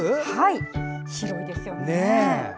広いですよね。